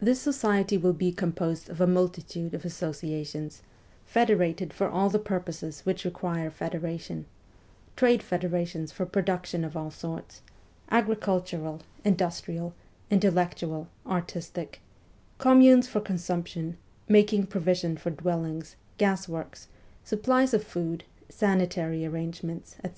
This society will be composed 206 MEMOIRS OF A REVOLUTIONIST of a multitude of associations, federated for all the purposes which require federation : trade federations for production of all sorts agricultural, industrial, intellectual, artistic ; communes for consumption, making provision for dwellings, gas works, supplies of food, sanitary arrangements, &c.